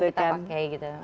ya itu yang kita pakai gitu